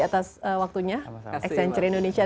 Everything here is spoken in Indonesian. atas waktunya exxenture indonesia